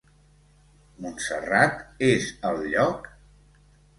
Montserrat és el lloc?